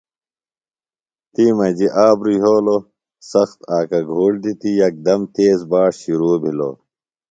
تی مجیۡ آبرُوۡ یھولوۡ سخت آکہ گُھوڑ دِتیۡ یکدم تیز باݜ شرو بِھلوۡ۔